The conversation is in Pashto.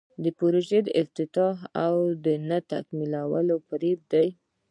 د پروژو افتتاح او نه تکمیلول فریب دی.